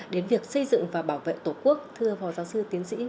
đến việc xây dựng và bảo vệ tổ quốc thưa phó giáo sư tiến sĩ